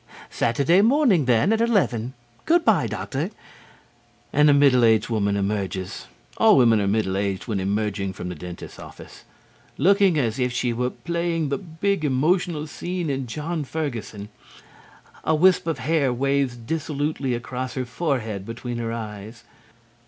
Saturday morning, then, at eleven.... Good bye, Doctor." And a middle aged woman emerges (all women are middle aged when emerging from the dentist's office) looking as if she were playing the big emotional scene in "John Ferguson." A wisp of hair waves dissolutely across her forehead between her eyes.